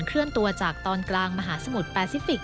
เคลื่อนตัวจากตอนกลางมหาสมุทรแปซิฟิก